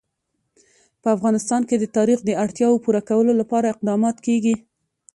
په افغانستان کې د تاریخ د اړتیاوو پوره کولو لپاره اقدامات کېږي.